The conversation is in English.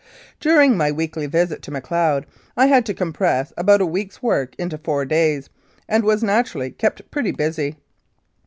During my weekly visit to Macleod I had to com press about a week's work into four days, and was naturally kept pretty busy.